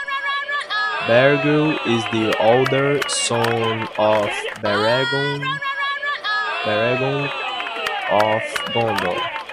Bergil is the older son of Beregond of Gondor.